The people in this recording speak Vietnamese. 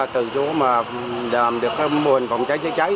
từ chỗ mà làm được mô hình phòng cháy chữa cháy